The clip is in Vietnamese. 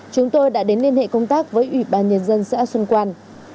chúng tôi đã đến liên hệ công tác với ủy ban nhân dân xã xuân quan